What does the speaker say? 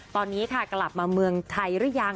ตอนนี้ค่ะกลับมาเมืองไทยหรือยัง